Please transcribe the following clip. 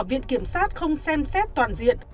việc kiểm sát không xem xét toàn diện